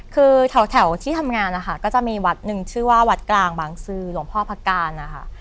คือแถวที่ทำงานนะคะก็จะมีวัดหนึ่งชื่อว่าวัดกลางบางซื้อหลวงพ่อพระการนะคะ